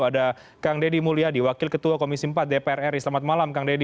ada kang deddy mulyadi wakil ketua komisi empat dpr ri selamat malam kang deddy